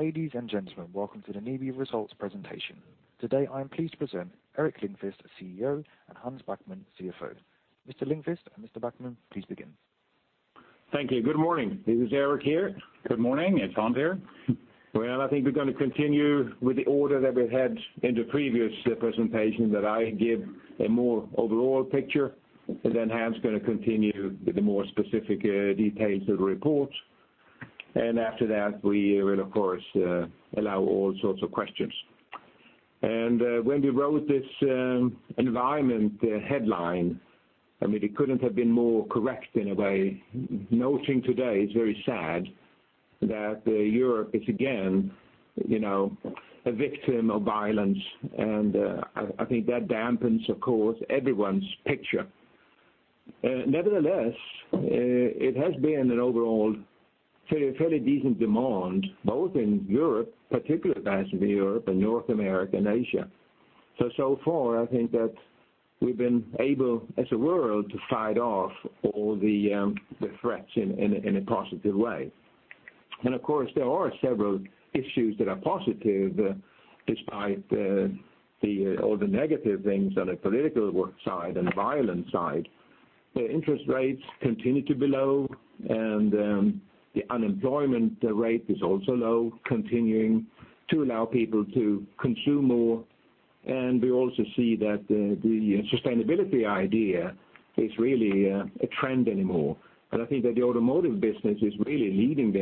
Ladies and gentlemen, welcome to the NIBE results presentation. Today I am pleased to present Gerteric Lindquist, CEO, and Hans Backman, CFO. Mr. Lindquist and Mr. Backman, please begin. Thank you. Good morning. This is Gerteric here. Good morning, it's Hans here. I think we're going to continue with the order that we had in the previous presentation, that I give a more overall picture, then Hans is going to continue with the more specific details of the report. After that, we will of course allow all sorts of questions. When we wrote this environment headline, I mean, it couldn't have been more correct in a way, noting today, it's very sad that Europe is again a victim of violence. I think that dampens, of course, everyone's picture. Nevertheless, it has been an overall fairly decent demand, both in Europe, particularly that of Europe and North America and Asia. So far, I think that we've been able, as a world, to fight off all the threats in a positive way. Of course, there are several issues that are positive, despite all the negative things on a political work side and violence side. The interest rates continue to be low, the unemployment rate is also low, continuing to allow people to consume more. We also see that the sustainability idea is really a trend anymore. I think that the automotive business is really leading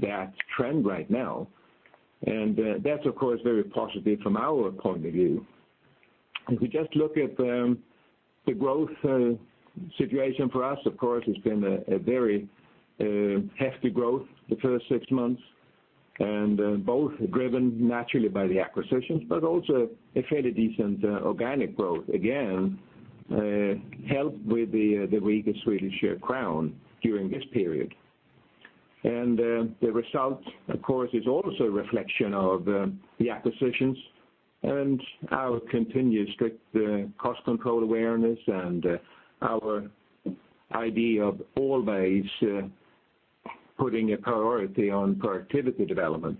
that trend right now, that's of course, very positive from our point of view. If we just look at the growth situation for us, of course, it's been a very hefty growth the first six months, both driven naturally by the acquisitions, but also a fairly decent organic growth, again, helped with the weak SEK during this period. The result, of course, is also a reflection of the acquisitions and our continued strict cost control awareness and our idea of always putting a priority on productivity development.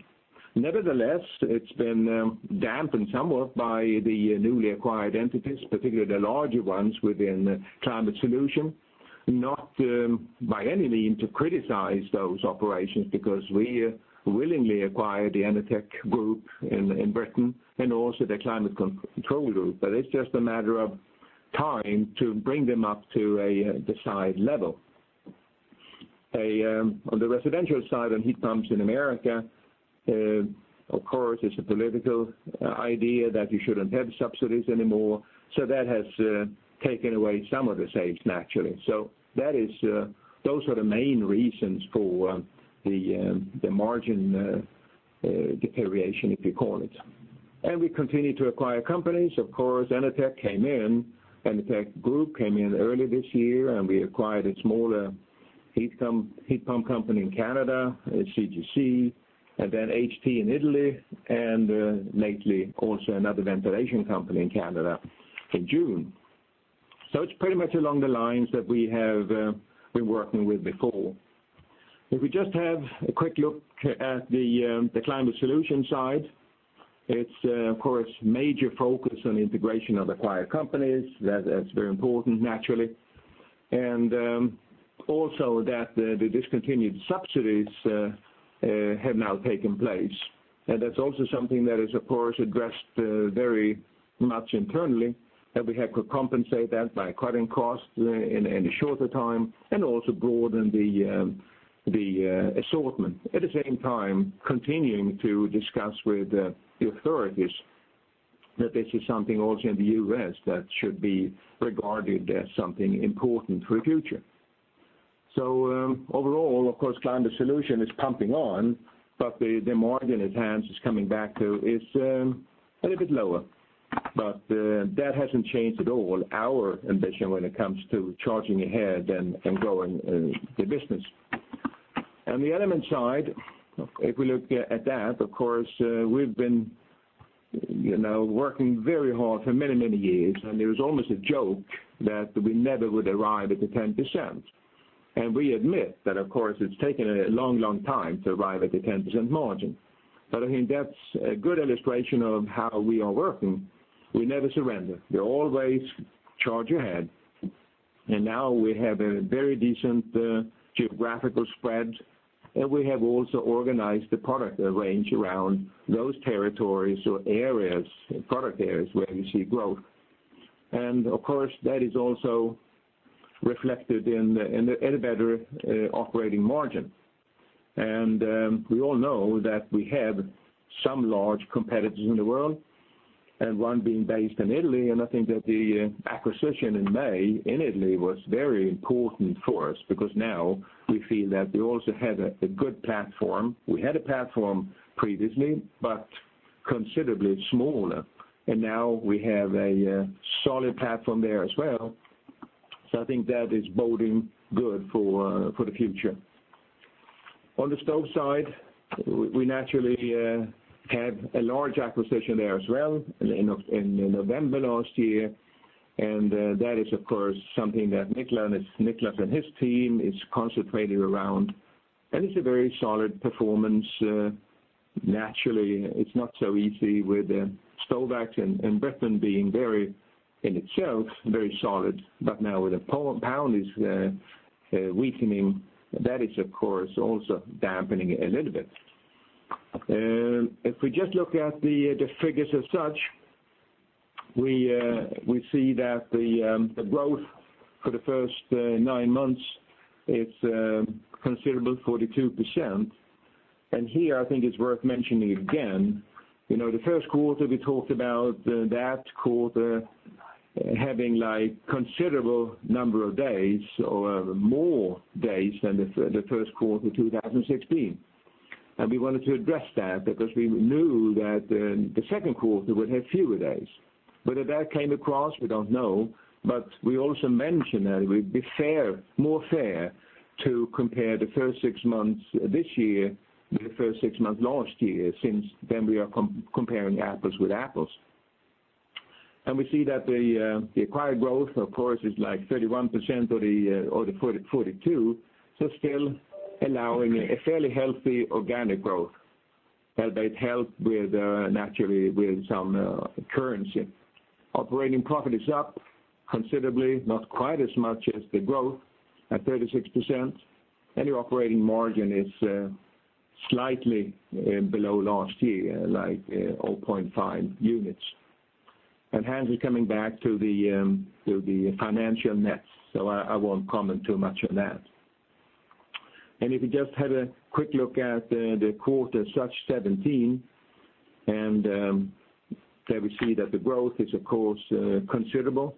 Nevertheless, it's been dampened somewhat by the newly acquired entities, particularly the larger ones within Climate Solutions. Not by any means to criticize those operations, because we willingly acquired the Enertech Group in Britain and also the Climate Control Group. It's just a matter of time to bring them up to the side level. On the residential side, on heat pumps in America, of course, it's a political idea that you shouldn't have subsidies anymore, that has taken away some of the saves, naturally. Those are the main reasons for the margin deterioration, if you call it. We continue to acquire companies, of course, Enertech came in, Enertech Group came in early this year, we acquired a smaller heat pump company in Canada, CGC, then HT in Italy, and lately also another ventilation company in Canada in June. It's pretty much along the lines that we have been working with before. If we just have a quick look at the Climate Solutions side, it's, of course, major focus on integration of acquired companies. That's very important, naturally. Also that the discontinued subsidies have now taken place. That's also something that is, of course, addressed very much internally, that we had to compensate that by cutting costs in a shorter time and also broaden the assortment. At the same time, continuing to discuss with the authorities that this is something also in the U.S. that should be regarded as something important for the future. Overall, of course, Climate Solutions is pumping on, but the margin, as Hans is coming back to, is a little bit lower. That hasn't changed at all our ambition when it comes to charging ahead and growing the business. On the Element side, if we look at that, of course, we've been working very hard for many, many years, and there was almost a joke that we never would arrive at the 10%. We admit that of course it's taken a long, long time to arrive at the 10% margin. I think that's a good illustration of how we are working. We never surrender. We always charge ahead. Now we have a very decent geographical spread, and we have also organized the product range around those territories or areas, product areas where you see growth. Of course, that is also reflected in a better operating margin. We all know that we have some large competitors in the world, one being based in Italy. I think that the acquisition in May in Italy was very important for us, because now we feel that we also have a good platform. We had a platform previously, but considerably smaller, and now we have a solid platform there as well. I think that is boding good for the future. On the stove side, we naturally had a large acquisition there as well in November last year. That is, of course, something that Niklas and his team is concentrated around. It's a very solid performance. Naturally, it's not so easy with Stovax and Britain being, in itself, very solid. Now with the GBP weakening, that is, of course, also dampening it a little bit. If we just look at the figures as such, we see that the growth for the first six months is a considerable 42%. Here, I think it's worth mentioning again, the first quarter, we talked about that quarter having considerable number of days or more days than the first quarter 2016. We wanted to address that because we knew that the second quarter would have fewer days. Whether that came across, we don't know, but we also mentioned that it would be more fair to compare the first six months this year with the first six months last year, since then we are comparing apples with apples. We see that the acquired growth, of course, is like 31% of the 42, so still allowing a fairly healthy organic growth. That helped naturally with some currency. Operating profit is up considerably, not quite as much as the growth, at 36%, and the operating margin is slightly below last year, like 0.5 units. Hans is coming back to the financial net, so I won't comment too much on that. If you just had a quick look at the quarter as such, 17, there we see that the growth is, of course, considerable,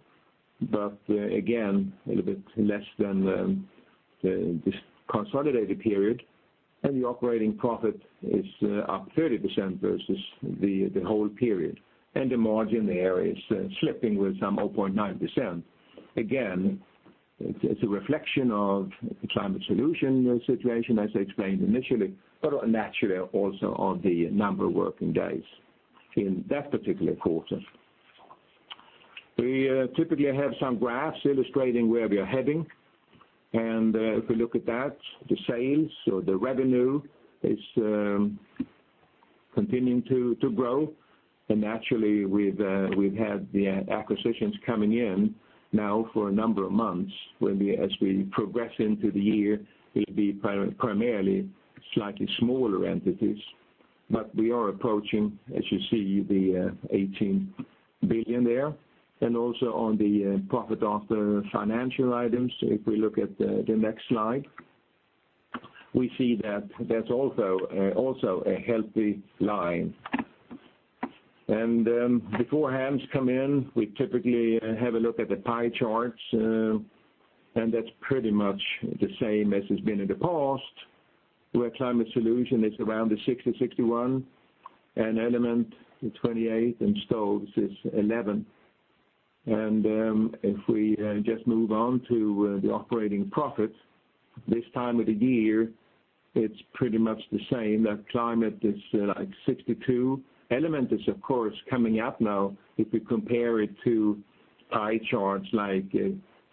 but again, a little bit less than this consolidated period, the operating profit is up 30% versus the whole period. The margin there is slipping with some 0.9%. Again, it's a reflection of the Climate Solutions situation, as I explained initially, but naturally also on the number of working days in that particular quarter. We typically have some graphs illustrating where we are heading. If we look at that, the sales or the revenue is continuing to grow. Naturally, we've had the acquisitions coming in now for a number of months. As we progress into the year, it'll be primarily slightly smaller entities. We are approaching, as you see, the 18 billion there. Also on the profit after financial items, if we look at the next slide, we see that that's also a healthy line. Before Hans come in, we typically have a look at the pie charts, that's pretty much the same as it's been in the past, where Climate Solutions is around the 60%, 61%, and Element 28%, and Stoves is 11%. If we just move on to the operating profit, this time of the year, it's pretty much the same. Climate is like 62%. Element is, of course, coming up now if we compare it to pie charts like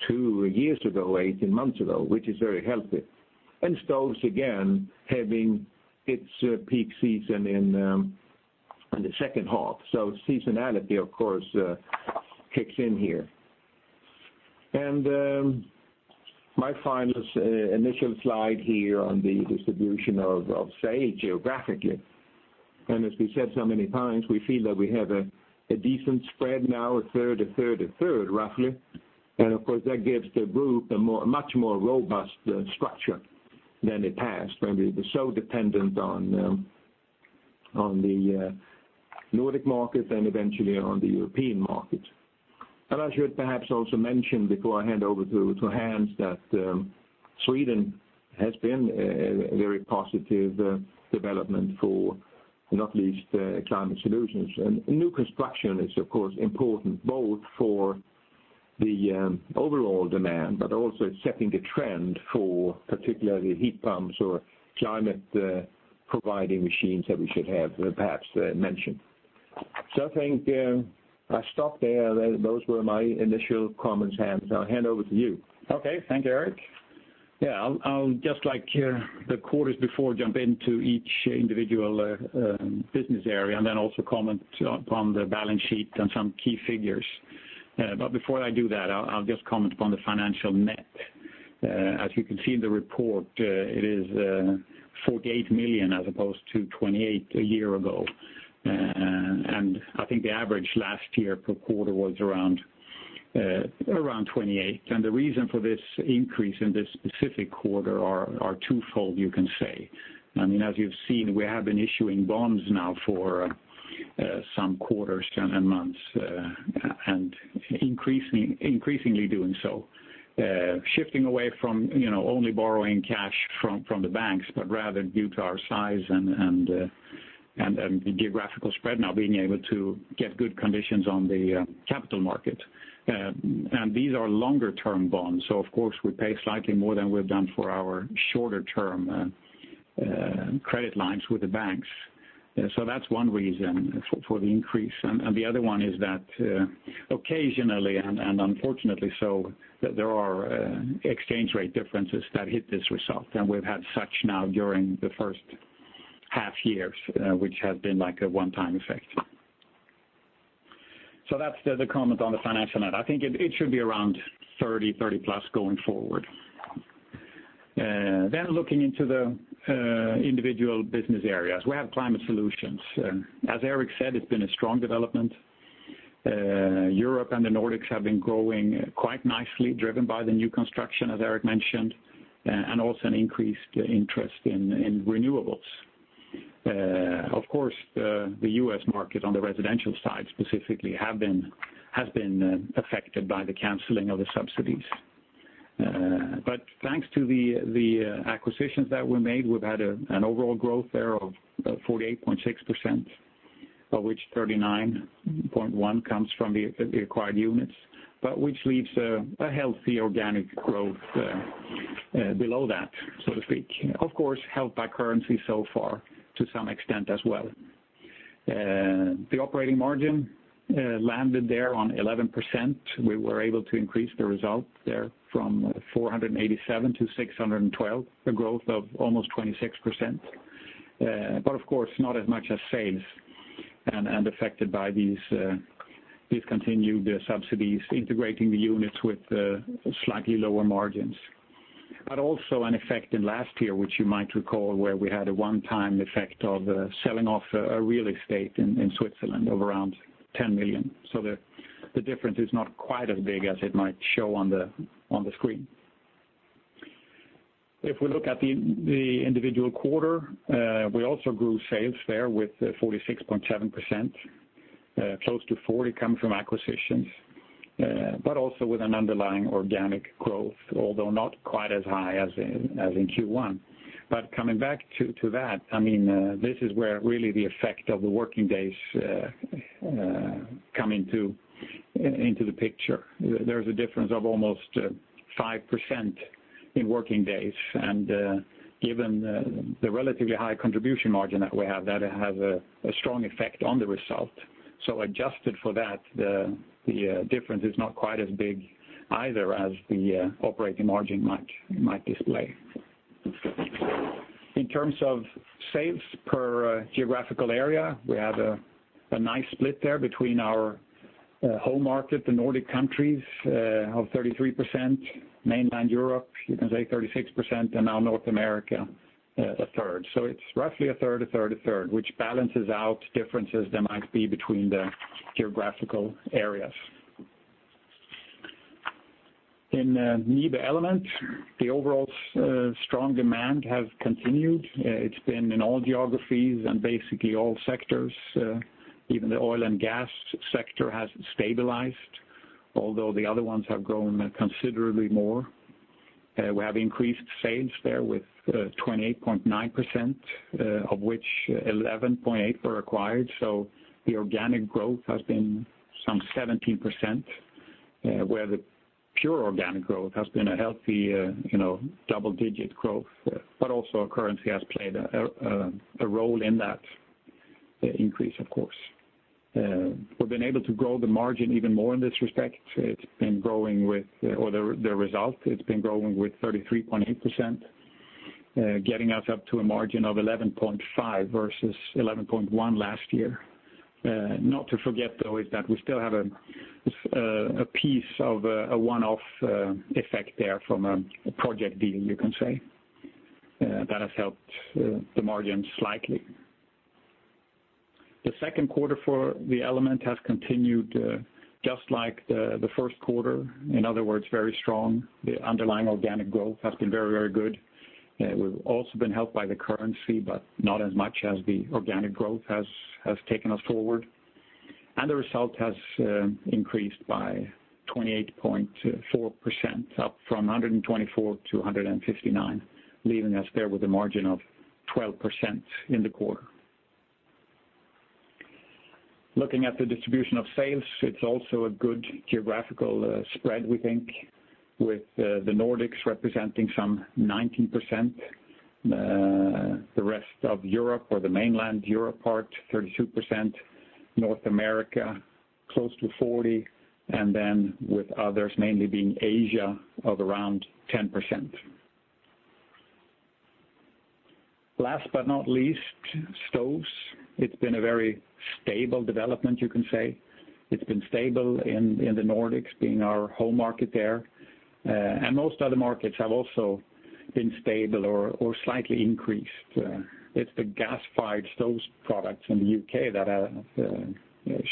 two years ago, 18 months ago, which is very healthy. Stoves, again, having its peak season in the second half. Seasonality, of course, kicks in here. My final initial slide here on the distribution of, say, geographically. As we said so many times, we feel that we have a decent spread now, a third, a third, a third, roughly. Of course, that gives the group a much more robust structure than in the past when we were so dependent on the Nordic market and eventually on the European market. I should perhaps also mention before I hand over to Hans that Sweden has been a very positive development for not least Climate Solutions. New construction is, of course, important both for the overall demand, but also setting the trend for particularly heat pumps or climate providing machines that we should have perhaps mentioned. I think I stop there. Those were my initial comments, Hans. I'll hand over to you. Okay. Thank you, Gerteric. I'll, just like the quarters before, jump into each individual business area and then also comment upon the balance sheet and some key figures. Before I do that, I'll just comment upon the financial net. As you can see in the report, it is 48 million as opposed to 28 a year ago. I think the average last year per quarter was around 28. The reason for this increase in this specific quarter are twofold, you can say. As you've seen, we have been issuing bonds now for some quarters and months, and increasingly doing so. Shifting away from only borrowing cash from the banks, but rather due to our size and the geographical spread now being able to get good conditions on the capital market. These are longer-term bonds, so of course, we pay slightly more than we've done for our shorter-term credit lines with the banks. That's one reason for the increase. The other one is that occasionally, and unfortunately so, there are exchange rate differences that hit this result. We've had such now during the first half year, which has been like a one-time effect. That's the comment on the financial net. I think it should be around 30, 30-plus going forward. Looking into the individual business areas. We have NIBE Climate Solutions. As Gerteric said, it's been a strong development. Europe and the Nordics have been growing quite nicely, driven by the new construction, as Gerteric mentioned, and also an increased interest in renewables. Of course, the U.S. market on the residential side specifically has been affected by the canceling of the subsidies. Thanks to the acquisitions that we made, we've had an overall growth there of 48.6%, of which 39.1% comes from the acquired units, but which leaves a healthy organic growth below that, so to speak. Helped by currency so far to some extent as well. The operating margin landed there on 11%. We were able to increase the result there from 487 to 612, a growth of almost 26%. Of course, not as much as sales, and affected by these discontinued subsidies, integrating the units with slightly lower margins. Also an effect in last year, which you might recall, where we had a one-time effect of selling off a real estate in Switzerland of around 10 million. The difference is not quite as big as it might show on the screen. If we look at the individual quarter, we also grew sales there with 46.7%, close to 40% coming from acquisitions, but also with an underlying organic growth, although not quite as high as in Q1. Coming back to that, this is where really the effect of the working days come into the picture. There's a difference of almost 5% in working days, and given the relatively high contribution margin that we have, that has a strong effect on the result. Adjusted for that, the difference is not quite as big either as the operating margin might display. In terms of sales per geographical area, we have a nice split there between our home market, the Nordic countries, of 33%, mainland Europe, you can say 36%, and now North America, a third. It's roughly a third, a third, a third, which balances out differences there might be between the geographical areas. In NIBE Element, the overall strong demand has continued. It's been in all geographies and basically all sectors. Even the oil and gas sector has stabilized, although the other ones have grown considerably more. We have increased sales there with 28.9%, of which 11.8 were acquired, so the organic growth has been some 17%, where the pure organic growth has been a healthy double-digit growth, but also our currency has played a role in that increase, of course. We've been able to grow the margin even more in this respect. The result, it's been growing with 33.8%, getting us up to a margin of 11.5% versus 11.1% last year. Not to forget, though, is that we still have a piece of a one-off effect there from a project deal, you can say. That has helped the margin slightly. The second quarter for the NIBE Element has continued just like the first quarter. In other words, very strong. The underlying organic growth has been very good. We've also been helped by the currency, but not as much as the organic growth has taken us forward. The result has increased by 28.4%, up from 124 to 159, leaving us there with a margin of 12% in the quarter. Looking at the distribution of sales, it's also a good geographical spread, we think, with the Nordics representing some 19%, the rest of Europe or the mainland Europe part, 32%, North America, close to 40%, and then with others, mainly being Asia, of around 10%. Last but not least, stoves. It's been a very stable development, you can say. It's been stable in the Nordics, being our home market there. Most other markets have also been stable or slightly increased. It's the gas-fired stoves products in the U.K. that have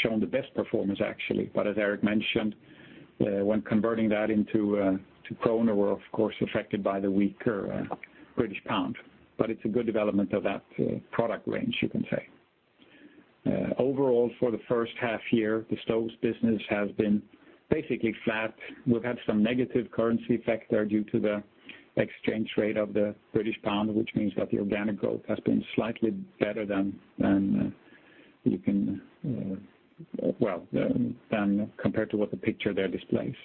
shown the best performance, actually. As Gerteric mentioned, when converting that into SEK, we're of course affected by the weaker GBP. It's a good development of that product range, you can say. Overall, for the first half year, the stoves business has been basically flat. We've had some negative currency effect there due to the exchange rate of the GBP, which means that the organic growth has been slightly better than you can, well, compared to what the picture there displays.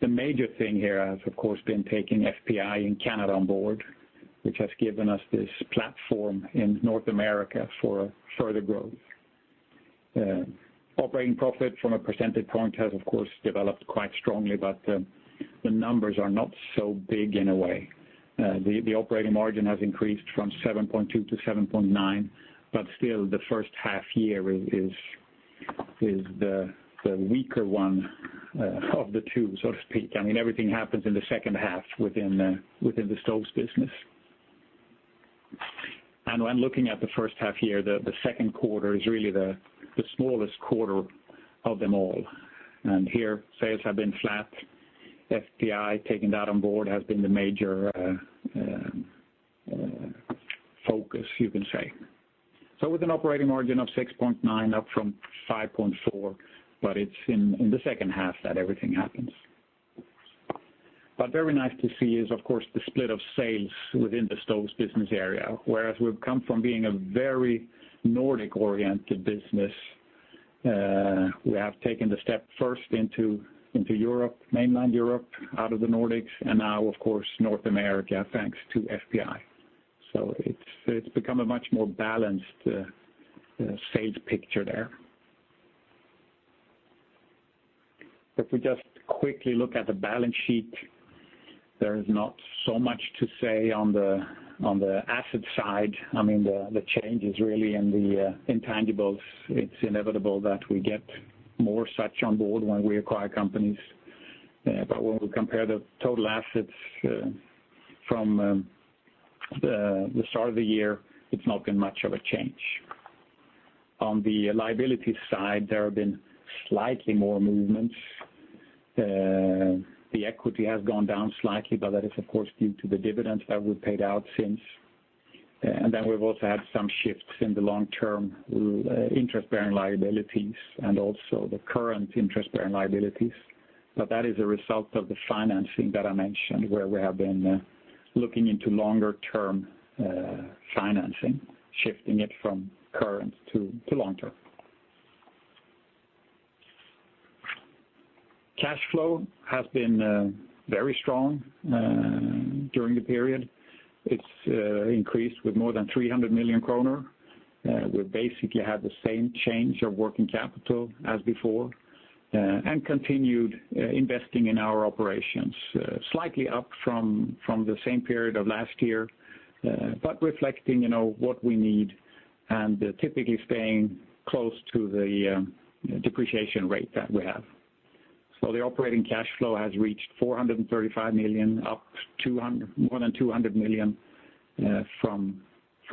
The major thing here has, of course, been taking FPI in Canada on board, which has given us this platform in North America for further growth. Operating profit from a percentage point has, of course, developed quite strongly, but the numbers are not so big in a way. The operating margin has increased from 7.2% to 7.9%, but still the first half year is the weaker one of the two, so to speak. Everything happens in the second half within the stoves business. When looking at the first half year, the second quarter is really the smallest quarter of them all, and here sales have been flat. FPI, taking that on board, has been the major focus, you can say. With an operating margin of 6.9% up from 5.4%, but it's in the second half that everything happens. Very nice to see is, of course, the split of sales within the stoves business area. Whereas we've come from being a very Nordic-oriented business, we have taken the step first into mainland Europe, out of the Nordics, and now, of course, North America, thanks to FPI. It's become a much more balanced sales picture there. If we just quickly look at the balance sheet, there is not so much to say on the asset side. The change is really in the intangibles. It's inevitable that we get more such on board when we acquire companies. When we compare the total assets from the start of the year, it's not been much of a change. On the liability side, there have been slightly more movements. The equity has gone down slightly, but that is, of course, due to the dividends that we paid out since. We've also had some shifts in the long-term interest-bearing liabilities and also the current interest-bearing liabilities. That is a result of the financing that I mentioned, where we have been looking into longer term financing, shifting it from current to long term. Cash flow has been very strong during the period. It's increased with more than 300 million kronor. We basically had the same change of working capital as before, and continued investing in our operations slightly up from the same period of last year, but reflecting what we need and typically staying close to the depreciation rate that we have. The operating cash flow has reached 435 million SEK, up more than 200 million SEK from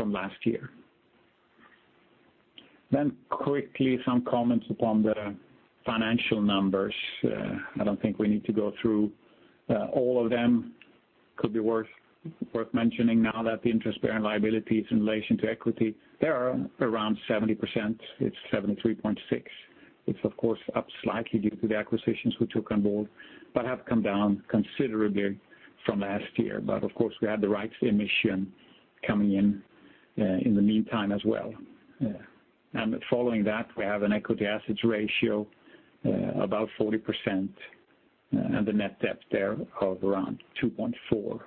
last year. Quickly, some comments upon the financial numbers. I don't think we need to go through all of them. Could be worth mentioning now that the interest-bearing liabilities in relation to equity, they are around 70%. It's 73.6%. It's of course up slightly due to the acquisitions we took on board, but have come down considerably from last year. Of course, we had the rights issue coming in the meantime as well. Following that, we have an equity assets ratio about 40%, and the net debt there of around 2.4.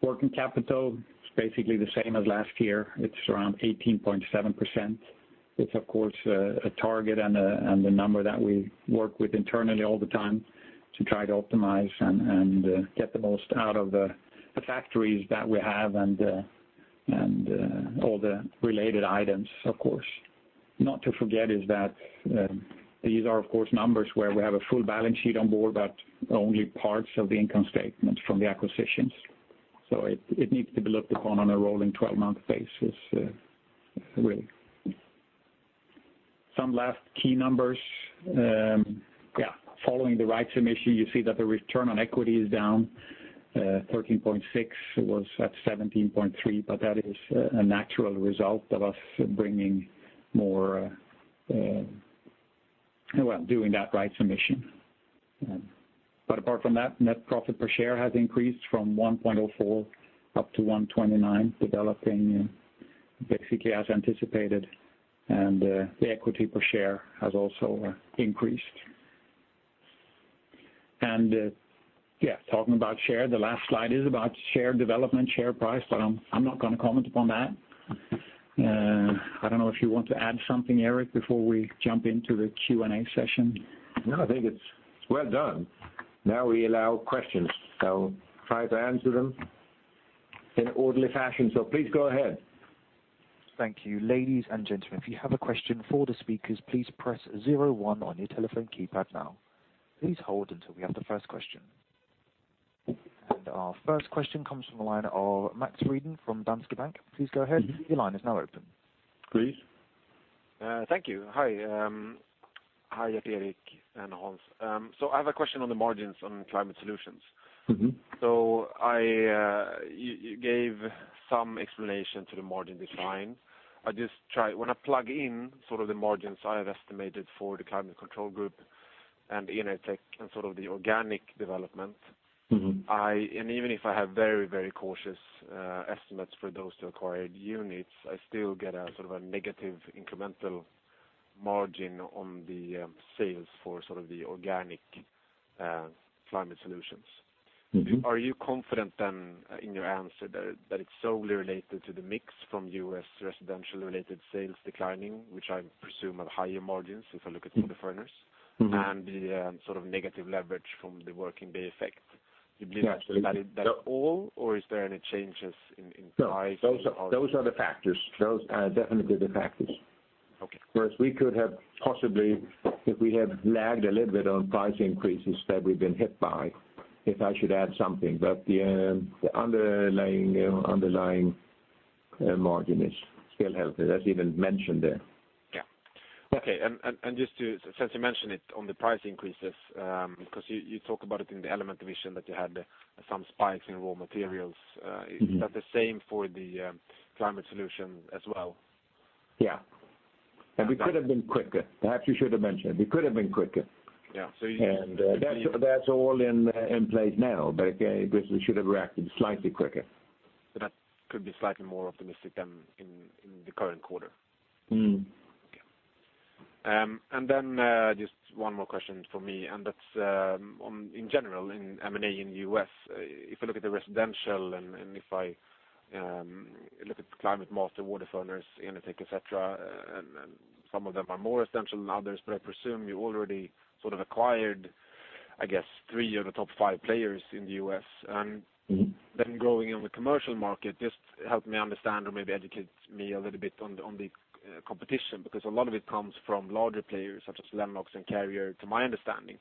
Working capital is basically the same as last year. It's around 18.7%. It's of course a target and a number that we work with internally all the time to try to optimize and get the most out of the factories that we have and all the related items, of course. Not to forget is that these are, of course, numbers where we have a full balance sheet on board, but only parts of the income statement from the acquisitions. It needs to be looked upon on a rolling 12-month basis, really. Some last key numbers. Following the rights issue, you see that the return on equity is down 13.6%. It was at 17.3%, but that is a natural result of us doing that rights issue. Apart from that, net profit per share has increased from 1.04 SEK up to 1.29 SEK, developing basically as anticipated, and the equity per share has also increased. Talking about share, the last slide is about share development, share price, but I'm not going to comment upon that. I don't know if you want to add something, Gerteric, before we jump into the Q&A session? No, I think it's well done. Now we allow questions, try to answer them in orderly fashion. Please go ahead. Thank you. Ladies and gentlemen, if you have a question for the speakers, please press 01 on your telephone keypad now. Please hold until we have the first question. Our first question comes from the line of Max Freeden from Danske Bank. Please go ahead. Your line is now open. Please. Thank you. Hi, Gerteric and Hans. I have a question on the margins on NIBE Climate Solutions. You gave some explanation to the margin decline. When I plug in sort of the margins I have estimated for the Climate Control Group Inotec and the organic development. Even if I have very cautious estimates for those two acquired units, I still get a negative incremental margin on the sales for the organic Climate Solutions. Are you confident then in your answer that it's solely related to the mix from U.S. residential related sales declining, which I presume are higher margins if I look at WaterFurnace? The negative leverage from the working day effect. Do you believe? Yes That is all or is there any changes in pricing? No, those are the factors. Those are definitely the factors. Okay. We could have possibly, if we had lagged a little bit on price increases that we've been hit by, if I should add something. The underlying margin is still healthy, that's even mentioned there. Yeah. Okay. Since you mentioned it on the price increases, because you talk about it in the Element division that you had some spikes in raw materials. Is that the same for the Climate Solution as well? Yeah. We could have been quicker. Perhaps we should have mentioned it. We could have been quicker. Yeah. That's all in place now, but we should have reacted slightly quicker. That could be slightly more optimistic than in the current quarter. Just one more question from me, that's in general in M&A in U.S. If I look at the residential and if I look at ClimateMaster, WaterFurnace, Inotec, et cetera, some of them are more essential than others, but I presume you already acquired, I guess, three of the top five players in the U.S. Growing in the commercial market, just help me understand or maybe educate me a little bit on the competition, because a lot of it comes from larger players such as Lennox and Carrier, to my understanding.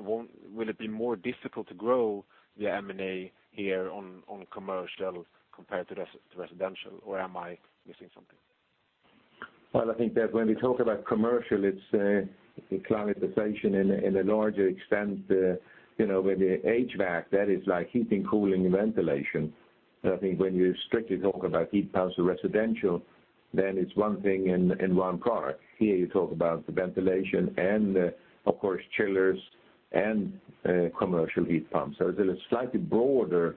Will it be more difficult to grow the M&A here on commercial compared to residential? Or am I missing something? Well, I think that when we talk about commercial, it is climatization in a larger extent, with the HVAC, that is like heating, cooling, and ventilation. I think when you strictly talk about heat pumps or residential, then it is one thing in one area. Here you talk about the ventilation and, of course, chillers and commercial heat pumps. There is a slightly broader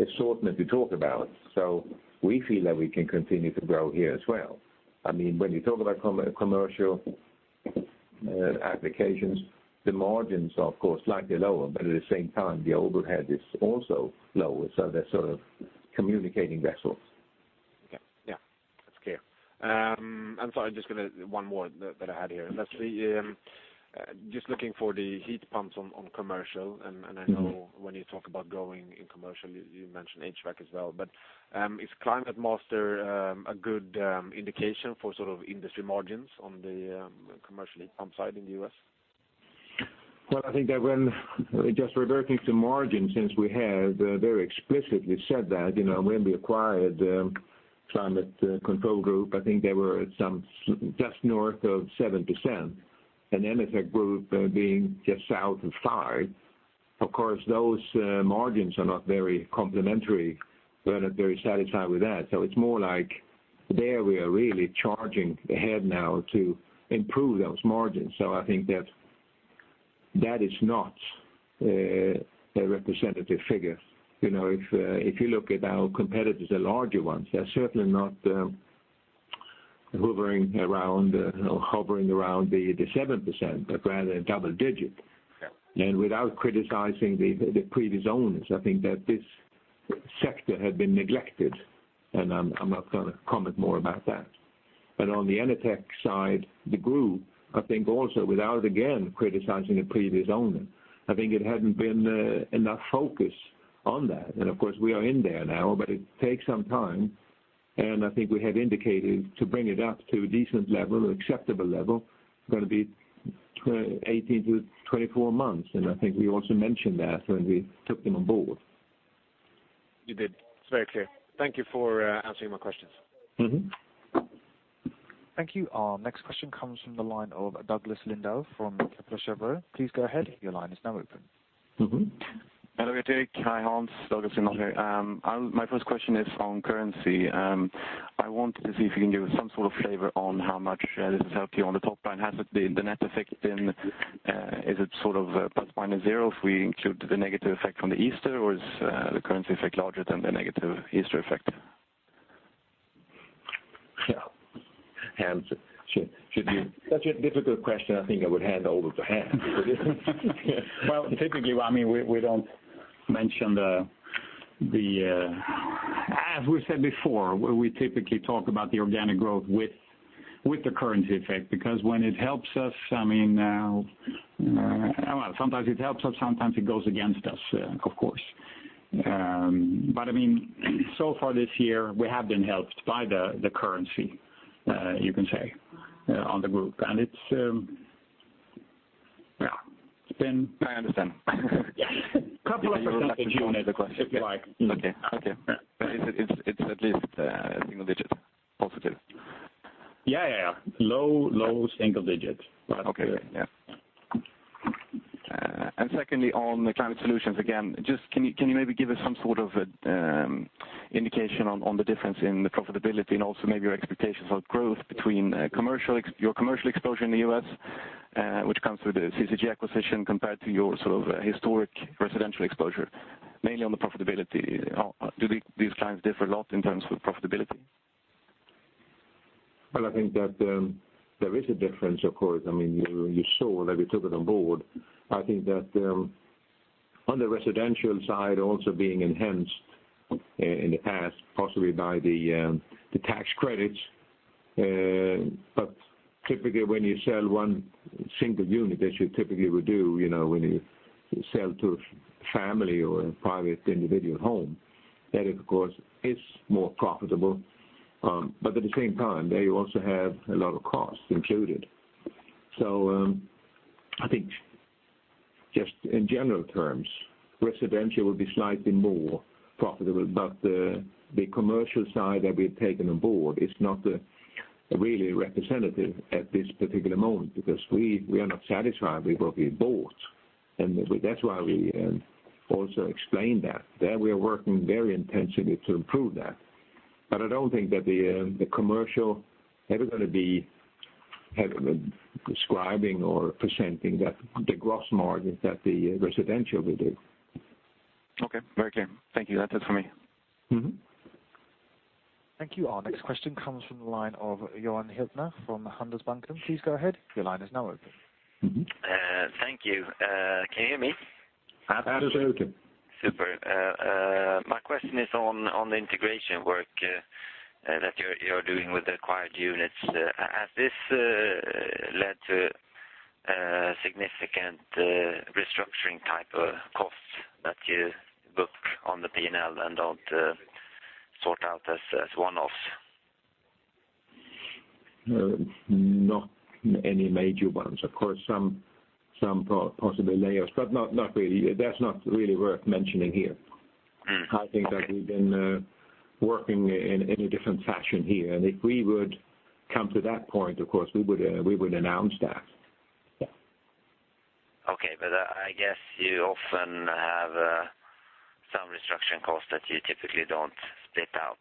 assortment we talk about. We feel that we can continue to grow here as well. When you talk about commercial applications, the margins are, of course, slightly lower, but at the same time, the overhead is also lower, so they are communicating vessels. Okay. Yeah. That is clear. Sorry, just one more that I had here. Okay. Just looking for the heat pumps on commercial, and I know when you talk about growing in commercial, you mentioned HVAC as well, but is ClimateMaster a good indication for industry margins on the commercial heat pump side in the U.S.? Well, I think that when, just reverting to margin, since we have very explicitly said that, when we acquired Climate Control Group, I think they were at just north of 7%, and Inotec group being just south of 5%. Of course, those margins are not very complementary. We are not very satisfied with that. It is more like there we are really charging ahead now to improve those margins. I think that that is not a representative figure. If you look at our competitors, the larger ones, they are certainly not hovering around the 7%, but rather in double digit. Yeah. Without criticizing the previous owners, I think that this sector had been neglected, I am not going to comment more about that. On the Inotec side, the group, I think also without, again, criticizing the previous owner, I think it had not been enough focus on that. Of course, we are in there now, but it takes some time, I think we have indicated to bring it up to a decent level, acceptable level, going to be 18-24 months. I think we also mentioned that when we took them on board. You did. It's very clear. Thank you for answering my questions. Thank you. Our next question comes from the line of Douglas Lindahl from Kepler Cheuvreux. Please go ahead. Your line is now open. Hello, Gerteric. Hi, Hans. Douglas Lindahl here. My first question is on currency. I wanted to see if you can give some sort of flavor on how much this has helped you on the top line. Has it been the net effect then, is it plus minus zero if we include the negative effect on the Easter, or is the currency effect larger than the negative Easter effect? Yeah. Hans, should be such a difficult question, I think I would hand over to Hans. Well, as we said before, we typically talk about the organic growth with the currency effect, because when it helps us, sometimes it helps us, sometimes it goes against us, of course. So far this year, we have been helped by the currency, you can say, on the group. It's, yeah, it's been- I understand. Yeah. Couple of % if you want it- You don't have to answer the question. if you like. Okay. Yeah. It's at least single digit positive. Yeah. Low single digit. Okay. Yeah. Secondly, on the NIBE Climate Solutions, again, can you maybe give us some sort of indication on the difference in the profitability and also maybe your expectations on growth between your commercial exposure in the U.S., which comes with the CCG acquisition, compared to your historic residential exposure? Mainly on the profitability, do these clients differ a lot in terms of profitability? Well, I think that there is a difference, of course. You saw that we took it on board. I think that on the residential side, also being enhanced in the past, possibly by the tax credits. Typically, when you sell one single unit, as you typically would do, when you sell to a family or a private individual home, that, of course, is more profitable. At the same time, they also have a lot of costs included. I think just in general terms, residential will be slightly more profitable. The commercial side that we've taken on board is not really representative at this particular moment, because we are not satisfied with what we bought. That's why we also explained that. That we are working very intensively to improve that. I don't think that the commercial ever going to be describing or presenting the gross margins that the residential will do. Okay. Very clear. Thank you. That's it from me. Thank you. Our next question comes from the line of Johan Hildner from Handelsbanken. Please go ahead. Your line is now open. Thank you. Can you hear me? Absolutely. Super. My question is on the integration work that you're doing with the acquired units. Has this led to significant restructuring type of costs that you book on the P&L and don't sort out as one-offs? Not any major ones. Of course, some possible layers, but that's not really worth mentioning here. Okay. I think that we've been working in a different fashion here, if we would come to that point, of course, we would announce that. Yeah. Okay. I guess you often have some restructuring costs that you typically don't split out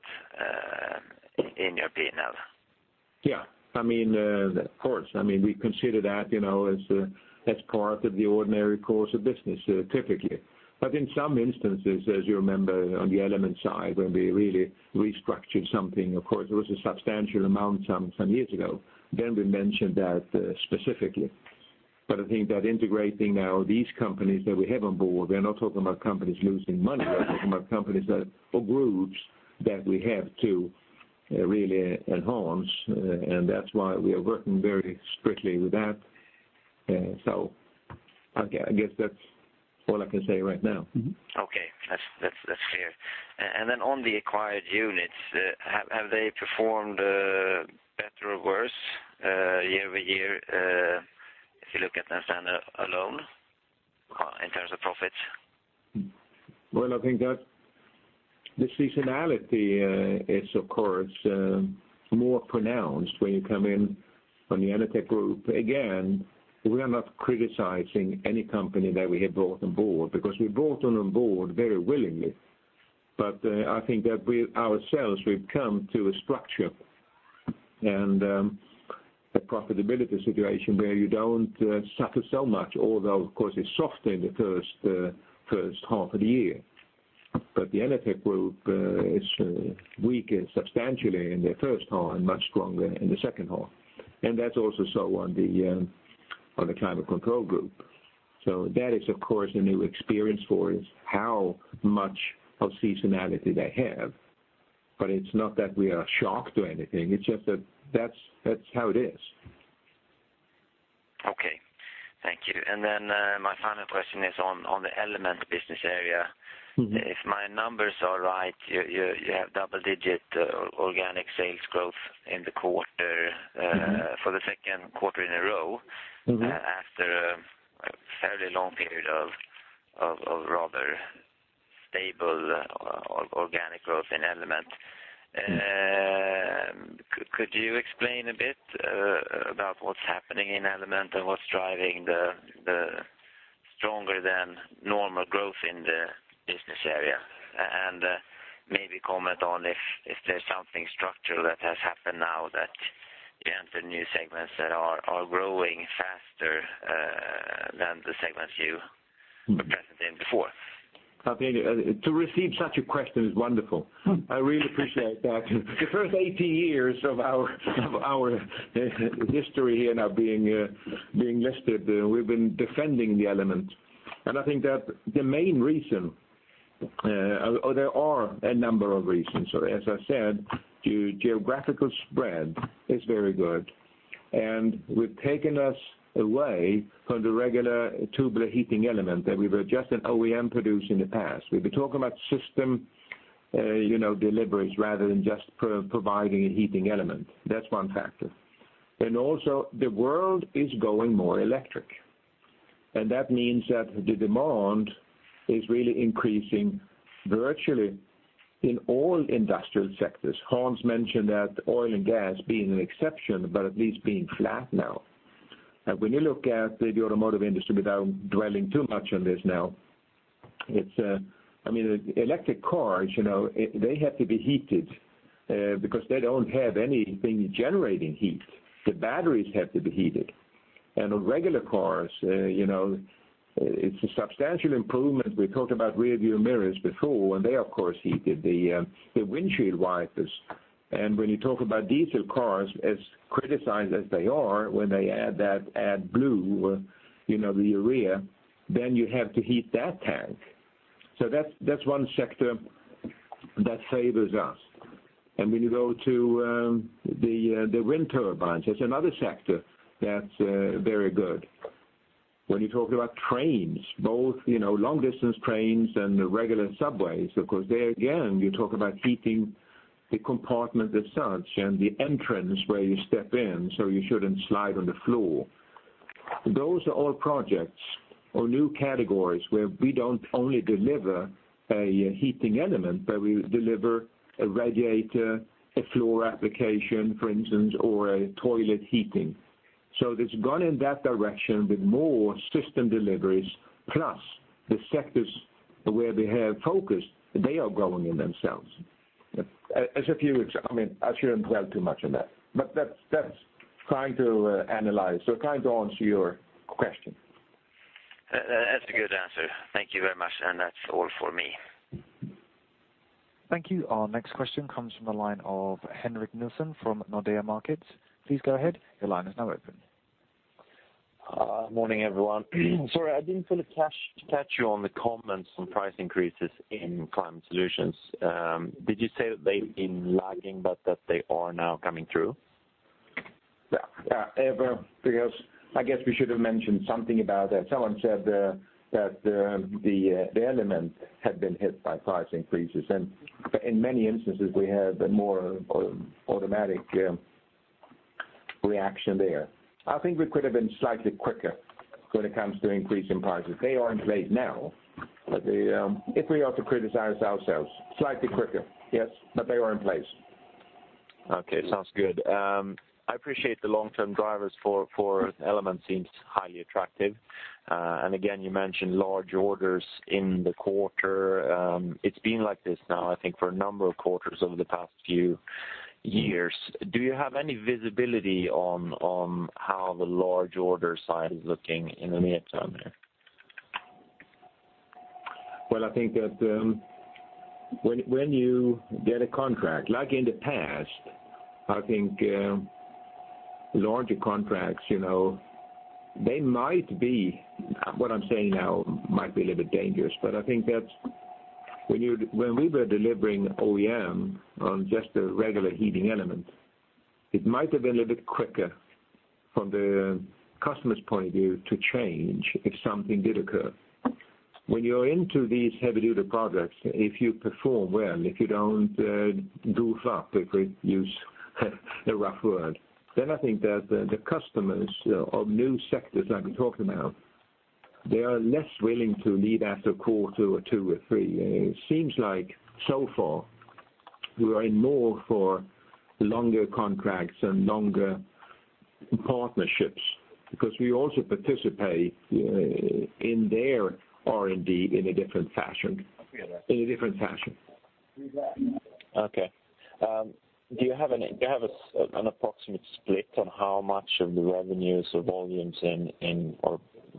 in your P&L. Yeah. Of course, we consider that as part of the ordinary course of business, typically. In some instances, as you remember, on the Element side, when we really restructured something, of course, it was a substantial amount some years ago. We mentioned that specifically. I think that integrating now these companies that we have on board, we are not talking about companies losing money, we're talking about companies that, or groups, that we have to really enhance, and that's why we are working very strictly with that. I guess that's all I can say right now. Mm-hmm. Okay. That's clear. Then on the acquired units, have they performed better or worse year-over-year, if you look at them standing alone, in terms of profits? Well, I think that the seasonality is, of course, more pronounced when you come in on the Enertech Group. Again, we are not criticizing any company that we have brought on board, because we brought them on board very willingly. I think that we ourselves, we've come to a structure and a profitability situation where you don't suffer so much, although, of course, it's softer in the first half of the year. The Enertech Group is weaker substantially in the first half and much stronger in the second half. That's also so on the Climate Control Group. That is, of course, a new experience for us, how much of seasonality they have. It's not that we are shocked or anything. It's just that that's how it is. Okay. Thank you. Then my final question is on the Element business area. If my numbers are right, you have double-digit organic sales growth in the quarter. It is for the second quarter in a row. After a fairly long period of rather stable organic growth in NIBE Element. Yes. Could you explain a bit about what's happening in NIBE Element and what's driving the stronger than normal growth in the business area? Maybe comment on if there's something structural that has happened now that you enter new segments that are growing faster than the segments you were present in before. I think to receive such a question is wonderful. I really appreciate that. The first 80 years of our history here now being listed, we've been defending the NIBE Element. I think that the main reason, or there are a number of reasons. As I said, geographical spread is very good. We've taken us away from the regular tubular heating Element that we were just an OEM producer in the past. We've been talking about system deliveries rather than just providing a heating Element. That's one factor. Also, the world is going more electric, and that means that the demand is really increasing virtually in all industrial sectors. Hans mentioned that oil and gas being an exception, but at least being flat now. When you look at the automotive industry without dwelling too much on this now, electric cars, they have to be heated, because they don't have anything generating heat. The batteries have to be heated. Regular cars, it's a substantial improvement. We talked about rearview mirrors before, they, of course, heated the windshield wipers. When you talk about diesel cars, as criticized as they are, when they add that AdBlue, the urea, then you have to heat that tank. That's one sector that favors us. When you go to the wind turbines, that's another sector that's very good. When you talk about trains, both long-distance trains and the regular subways, because there again, you talk about heating the compartment as such and the entrance where you step in, so you shouldn't slide on the floor. Those are all projects or new categories where we don't only deliver a heating Element, but we deliver a radiator, a floor application, for instance, or a toilet heating. It's gone in that direction with more system deliveries, plus the sectors where we have focused, they are growing in themselves. I shouldn't dwell too much on that, but that's trying to analyze, trying to answer your question. That's a good answer. Thank you very much, and that's all for me. Thank you. Our next question comes from the line of Henrik Nilsson from Nordea Markets. Please go ahead. Your line is now open. Morning, everyone. Sorry, I didn't fully catch you on the comments on price increases in NIBE Climate Solutions. Did you say that they've been lagging but that they are now coming through? Ever, because I guess we should have mentioned something about that. Someone said that the Element had been hit by price increases, and in many instances, we had a more automatic reaction there. I think we could have been slightly quicker when it comes to increasing prices. They are in place now, but if we are to criticize ourselves, slightly quicker. Yes, they are in place. Okay. Sounds good. I appreciate the long-term drivers for Element seems highly attractive. Again, you mentioned large orders in the quarter. It's been like this now, I think for a number of quarters over the past few years. Do you have any visibility on how the large order side is looking in the near term there? I think that when you get a contract, like in the past, I think larger contracts, they might be, what I'm saying now might be a little bit dangerous, but I think that when we were delivering OEM on just a regular heating Element, it might have been a little bit quicker from the customer's point of view to change if something did occur. When you're into these heavy-duty products, if you perform well, if you don't goof up, if we use a rough word, then I think that the customers of new sectors I've been talking about, they are less willing to leave after a quarter or two or three. It seems like so far we are in more for longer contracts and longer partnerships because we also participate in their R&D in a different fashion. Okay. Do you have an approximate split on how much of the revenues or volumes in,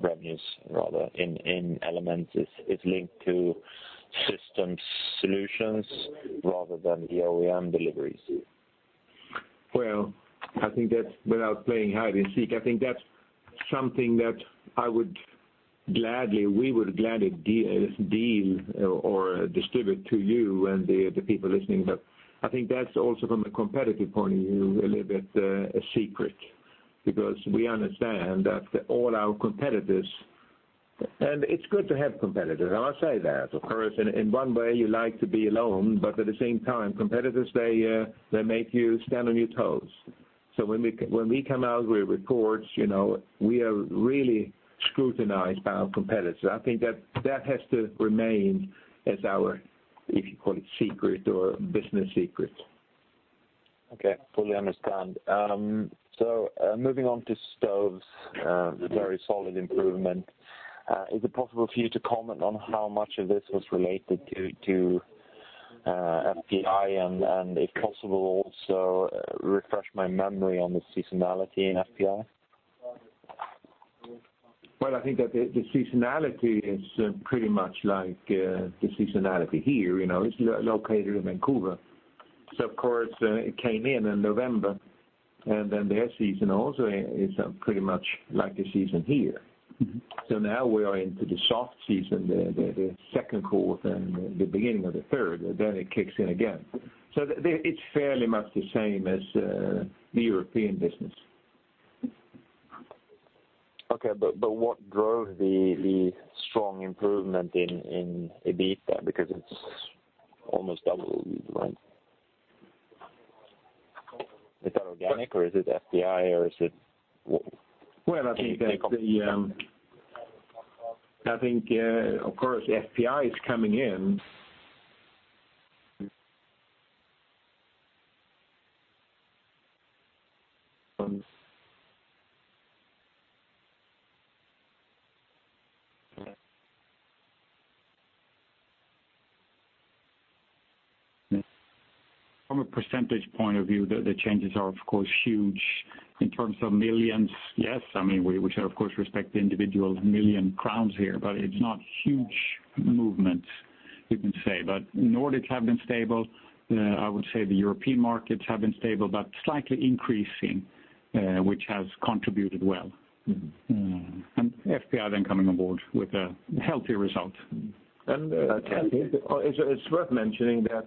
or revenues rather, in Element is linked to systems Element rather than the OEM deliveries? I think that without playing hide and seek, I think that's something that we would gladly deal or distribute to you and the people listening, but I think that's also from a competitive point of view, a little bit a secret, because we understand that all our competitors, and it's good to have competitors, I'll say that. Of course, in one way, you like to be alone, but at the same time, competitors, they make you stand on your toes. When we come out with reports, we are really scrutinized by our competitors. I think that has to remain as our, if you call it secret or business secret. Okay. Fully understand. Moving on to Stoves, very solid improvement. Is it possible for you to comment on how much of this was related to FPI, and if possible, also refresh my memory on the seasonality in FPI? I think that the seasonality is pretty much like the seasonality here. It's located in Vancouver. Of course, it came in in November, and then their season also is pretty much like the season here. Now we are into the soft season, the second quarter and the beginning of the third, then it kicks in again. It's fairly much the same as the European business. Okay, what drove the strong improvement in EBITDA? Because it's almost double, right? Organic, or is it FPI, or is it? Well, I think that. Can you take over? I think, of course, FPI is coming in. From a percentage point of view, the changes are, of course, huge. In terms of millions, yes, we should, of course, respect the individual million crowns here, it's not huge movements, you can say. Nordics have been stable. I would say the European markets have been stable, but slightly increasing, which has contributed well. FPI then coming on board with a healthy result. It's worth mentioning that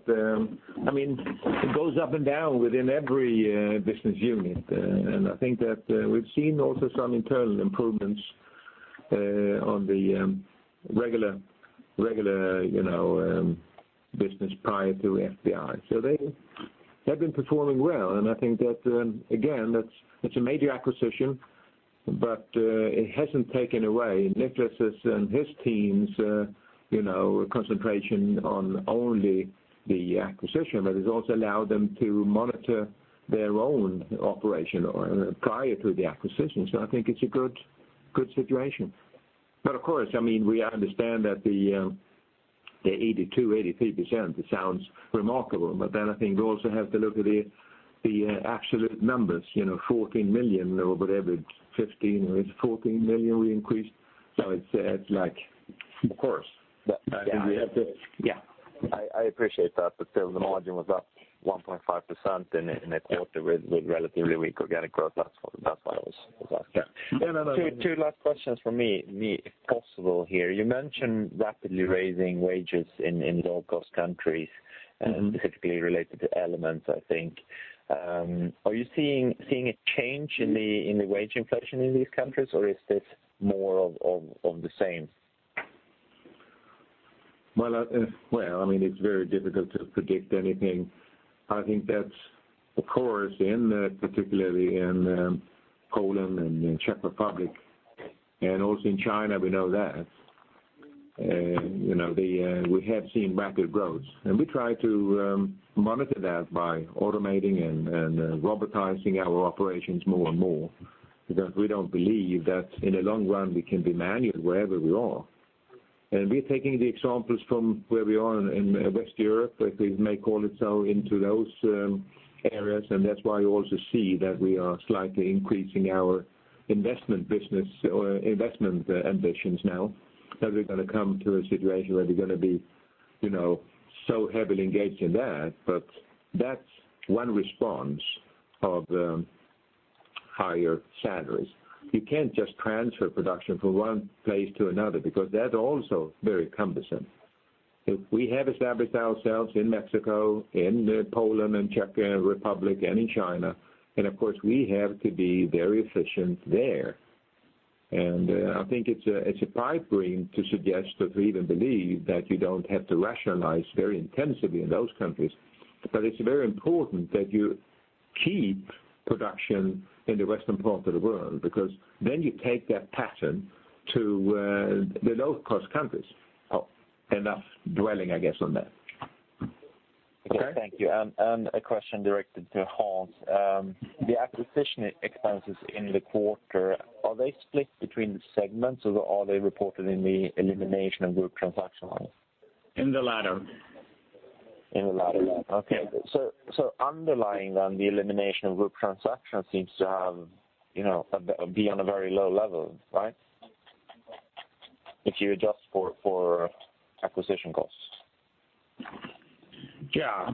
it goes up and down within every business unit. I think that we've seen also some internal improvements on the regular business prior to FPI. They have been performing well, and I think that, again, it's a major acquisition, but it hasn't taken away Niklas' and his team's concentration on only the acquisition, but it has also allowed them to monitor their own operation prior to the acquisition. I think it's a good situation. Of course, we understand that the 82%-83%, it sounds remarkable, but then I think we also have to look at the absolute numbers, 14 million or whatever, 15 million, or is it 14 million we increased? It's like Of course. We have to Yeah. I appreciate that, still the margin was up 1.5% in a quarter with relatively weak organic growth. That's why I was asking. Yeah, no. Two last questions from me, if possible here. You mentioned rapidly raising wages in low-cost countries- specifically related to Elements, I think. Are you seeing a change in the wage inflation in these countries, or is this more of the same? Well, it is very difficult to predict anything. I think that, of course, in particular in Poland and the Czech Republic, and also in China, we know that. We have seen rapid growth. We try to monitor that by automating and robotizing our operations more and more, because we don't believe that in the long run we can be manual wherever we are. We are taking the examples from where we are in West Europe, if we may call it so, into those areas, and that's why you also see that we are slightly increasing our investment ambitions now, that we are going to come to a situation where we are going to be so heavily engaged in that's one response of higher salaries. You can't just transfer production from one place to another because that's also very cumbersome. We have established ourselves in Mexico, in Poland, in Czech Republic, and in China, of course, we have to be very efficient there. I think it's a pipe dream to suggest or to even believe that you don't have to rationalize very intensively in those countries. It's very important that you keep production in the western part of the world, because then you take that pattern to the low-cost countries. Enough dwelling, I guess, on that. Okay, thank you. A question directed to Hans. The acquisition expenses in the quarter, are they split between the segments or are they reported in the elimination of group transaction line? In the latter. In the latter one. Okay. Underlying then the elimination of group transactions seems to be on a very low level, right? If you adjust for acquisition costs. Yeah.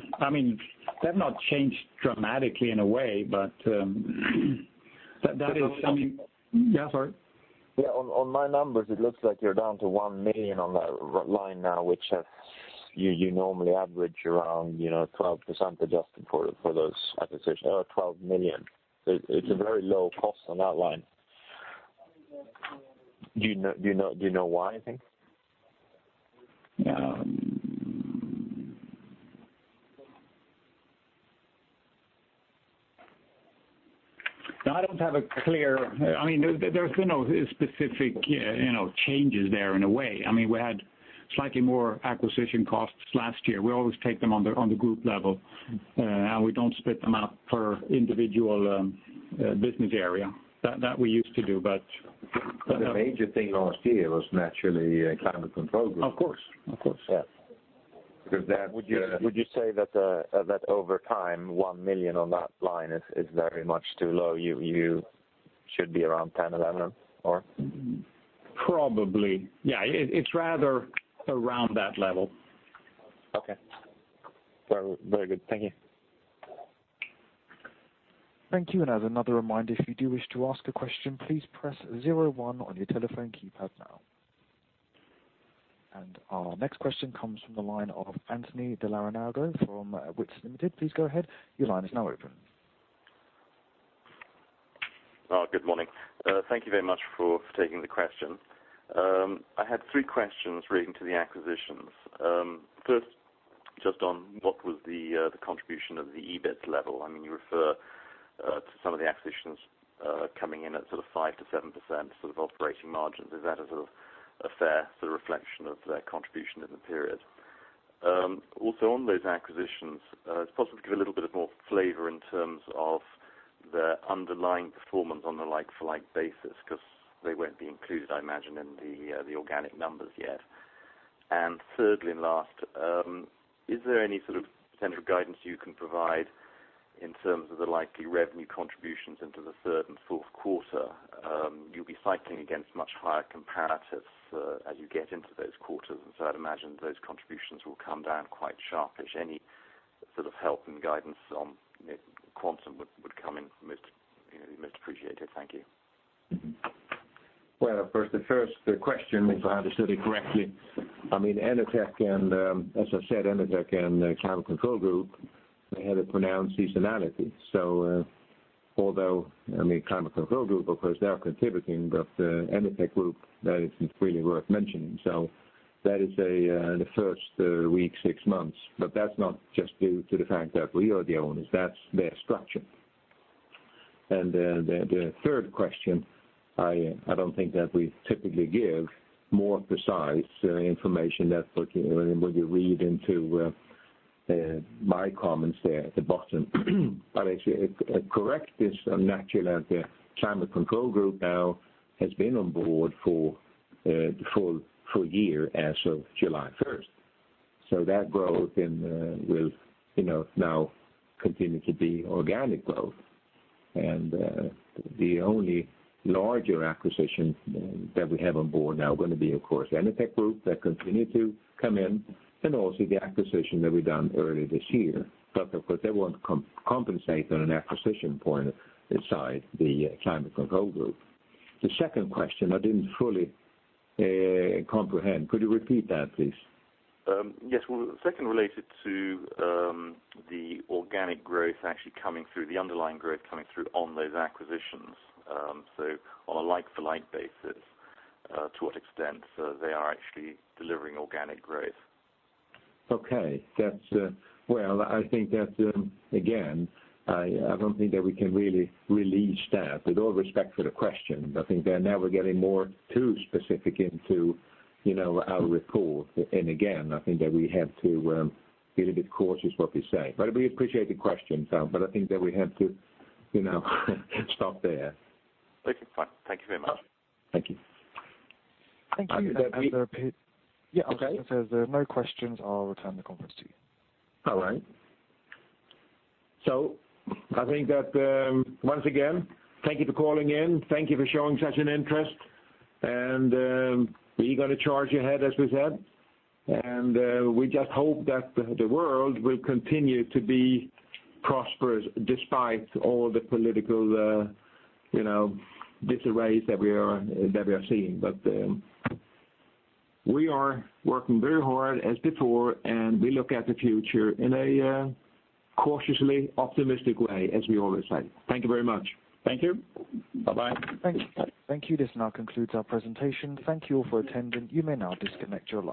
They've not changed dramatically in a way, that is. But- Yeah, sorry. Yeah, on my numbers, it looks like you're down to 1 million on that line now, which you normally average around 12% adjusted for those acquisitions, or 12 million. It's a very low cost on that line. Do you know why, you think? No, I don't have a clear. There's been no specific changes there in a way. We had slightly more acquisition costs last year. We always take them on the group level, and we don't split them up per individual business area. That we used to do, but. The major thing last year was naturally Climate Control Group. Of course. Yeah. Because that. Would you say that over time, 1 million on that line is very much too low? You should be around 10, 11, or? Probably. Yeah, it's rather around that level. Okay. Very good. Thank you. Thank you. As another reminder, if you do wish to ask a question, please press 01 on your telephone keypad now. Our next question comes from the line of Anthony de Larenago from Whitest Limited. Please go ahead. Your line is now open. Good morning. Thank you very much for taking the question. I had three questions relating to the acquisitions. First, just on what was the contribution of the EBIT level. You refer to some of the acquisitions coming in at 5%-7% of operating margins. Is that a fair reflection of their contribution in the period? Also, on those acquisitions, it's possible to give a little bit of more flavor in terms of their underlying performance on the like-for-like basis, because they won't be included, I imagine, in the organic numbers yet. Thirdly, and last, is there any sort of central guidance you can provide in terms of the likely revenue contributions into the third and fourth quarter? You'll be cycling against much higher comparatives as you get into those quarters, so I'd imagine those contributions will come down quite sharply. Any sort of help and guidance on quantum would come in most appreciated. Thank you. The first question, if I understood it correctly, Enertech and, as I said, Enertech and Climate Control Group, they had a pronounced seasonality. Although, Climate Control Group, of course, they are contributing, but Enertech Group, that isn't really worth mentioning. That is in the first week, six months. That's not just due to the fact that we are the owners. That's their structure. The third question, I don't think that we typically give more precise information that would read into my comments there at the bottom. Actually, correct is naturally the Climate Control Group now has been on board for a year as of July 1st. That growth will now continue to be organic growth. The only larger acquisition that we have on board now is going to be, of course, Enertech Group that continue to come in, and also the acquisition that we done earlier this year. Of course, they won't compensate on an acquisition point aside the Climate Control Group. The second question, I didn't fully comprehend. Could you repeat that, please? Yes. Well, the second related to the organic growth actually coming through, the underlying growth coming through on those acquisitions. On a like-for-like basis, to what extent they are actually delivering organic growth. Okay. Well, I think that, again, I don't think that we can really release that. With all respect for the question, I think they're never getting more too specific into our report. Again, I think that we have to be a bit cautious what we say. We appreciate the question, but I think that we have to stop there. Okay, fine. Thank you very much. Thank you. Thank you. [inaudible] Yeah, okay. As there are no questions, I'll return the conference to you. All right. I think that once again, thank you for calling in. Thank you for showing such an interest, and we are going to charge ahead, as we said. We just hope that the world will continue to be prosperous despite all the political disarrays that we are seeing. We are working very hard as before, and we look at the future in a cautiously optimistic way as we always say. Thank you very much. Thank you. Bye-bye. Thank you. This now concludes our presentation. Thank you all for attending. You may now disconnect your line.